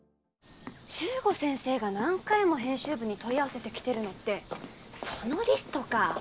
十五先生が何回も編集部に問い合わせてきてるのってそのリストかぁ。